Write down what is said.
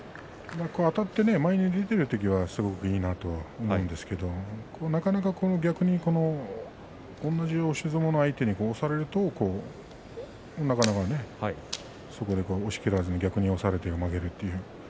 あたって前に出ている時はすごくいいなと思うんですけれどなかなか逆に同じ押し相撲の相手に押されるとそこで押しきれずに押されて逆に負けるという。